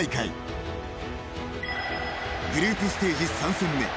［グループステージ３戦目］